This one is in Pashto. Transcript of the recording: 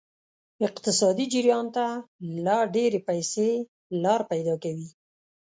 اقتصادي جریان ته لا ډیرې پیسې لار پیدا کوي.